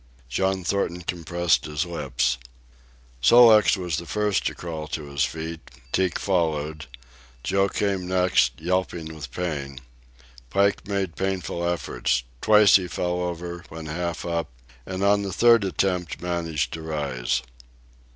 John Thornton compressed his lips. Sol leks was the first to crawl to his feet. Teek followed. Joe came next, yelping with pain. Pike made painful efforts. Twice he fell over, when half up, and on the third attempt managed to rise.